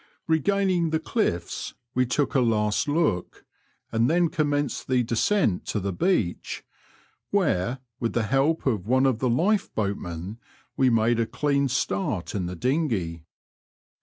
Regaining the cliffs, we took a last look, and then com menced the descent to the beach, where, with the help of one of the lifeboatmen, we made a clean start in the dinghey.